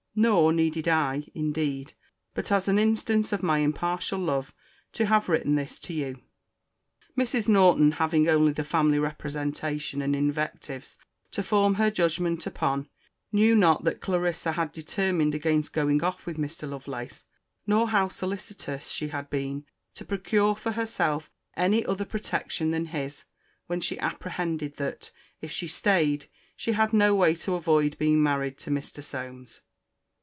Nor needed I, indeed, but as an instance of my impartial love, to have written this to you.* * Mrs. Norton, having only the family representation and invectives to form her judgment upon, knew not that Clarissa had determined against going off with Mr. Lovelace; nor how solicitous she had been to procure for herself any other protection than his, when she apprehended that, if she staid, she had no way to avoid being married to Mr. Solmes.